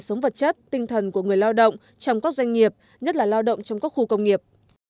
sống vật chất tinh thần của người lao động trong các doanh nghiệp nhất là lao động trong các khu công nghiệp